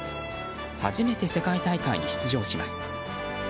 初めて世界大会に出場します。